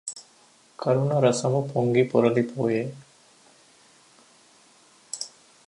కరుణరసము పొంగి పొరలిపోయె